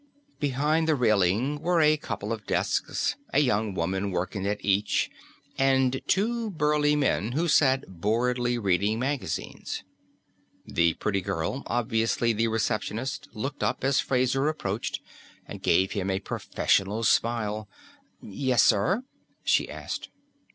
Behind the railing were a couple of desks, a young woman working at each, and two burly men who sat boredly reading magazines. The pretty girl, obviously the receptionist, looked up as Fraser approached and gave him a professional smile. "Yes, sir?" she asked.